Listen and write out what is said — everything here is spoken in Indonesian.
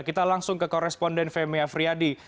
kita langsung ke koresponden femi afriyadi